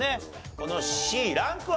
このＣランクは？